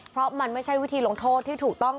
เพราะมันไม่ใช่วิธีลงโทษที่ถูกต้อง